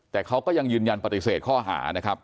แต่เขาก็ยังยืนยันปฏิเสธข้อหานะครับ